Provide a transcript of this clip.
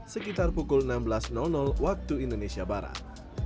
sekitar pukul enam belas waktu indonesia barat